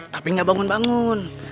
tapi gak bangun bangun